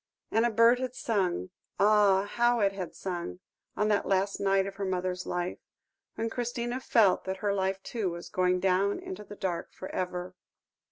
And a bird had sung ah! how it had sung, on that last night of her mother's life, when Christina felt that her life too was going down into the dark for ever.